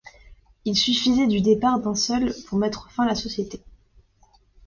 Il suffisait du départ d’un seul pour mettre fin à la société.